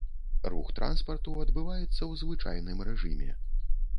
Рух транспарту адбываецца ў звычайным рэжыме.